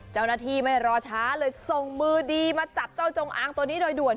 เจ้าหน้าที่ไม่รอช้าเลยส่งมือดีมาจับเจ้าจงอางตัวนี้โดยด่วน